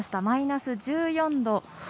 マイナス１４度。